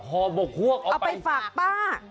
พอบกฮวกเอาไปฝากป้า